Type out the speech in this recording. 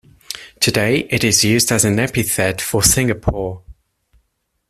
Today, it is used as an epithet for Singapore.